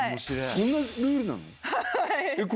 そんなルールなの？